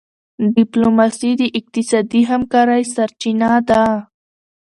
ډيپلوماسي د اقتصادي همکارۍ سرچینه ده.